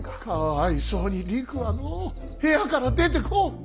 かわいそうにりくはのう部屋から出てこん。